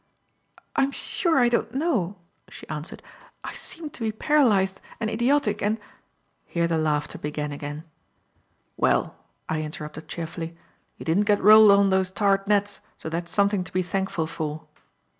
"I am sure I don't know." she answered. "I seemed to be paralyzed and idiotic and " here the laughter began again. "Well," I interrupted cheerfully, "you didn't get rolled on those tarred nets, so that's something to be thankful for."